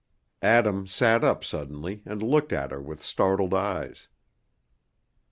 Adam sat up suddenly and looked at her with startled eyes.